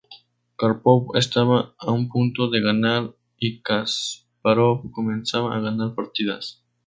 Kárpov estaba a un punto de ganar, y Kaspárov comenzaba a ganar partidas.